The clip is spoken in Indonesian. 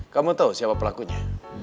kamu tau siapa pelakunya